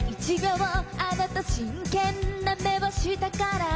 「あなた真剣な目をしたから」